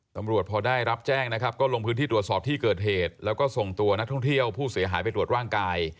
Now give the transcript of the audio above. ตำรวจพอได้รับแจ้งนะครับก็ลงพื้นที่ตรวจสอบที่เกิดเหตุแล้วก็ส่งตัวนักท่องเที่ยวผู้เสียหายไปตรวจร่างกาย